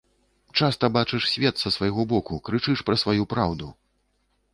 Часта бачыш свет са свайго боку, крычыш пра сваю праўду.